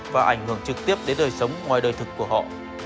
và ảnh hưởng trực tiếp đến đời sống ngoài đời thực của họ